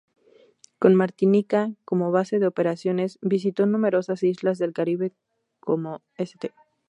Con Martinica como base de operaciones, visitó numerosas islas del Caribe, como St.